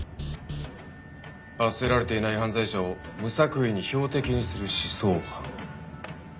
罰せられていない犯罪者を無作為に標的にする思想犯。